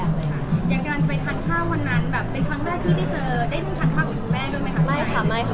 ยังกำลังไปทันท่าวนั้นและจะแล้วได้ทั้งท่าวของแม่ด้วยมั้ยคะ